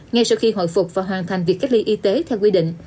ngay sau khi hồi phục và hoàn thành việc cách ly y tế theo quy định